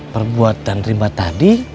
perbuatan rimba tadi